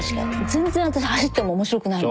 全然私走っても面白くないもん。